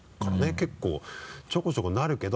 結構ちょこちょこなるけど。